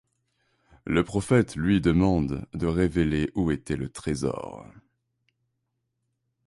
Le Prophète lui demande de révéler où était le trésor.